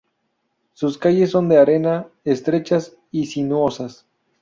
Sus calles son de arena, estrechas y sinuosas.